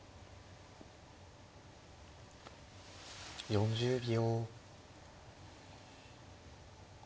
４０秒。